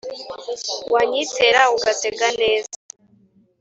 Wanyitera ugatega neza,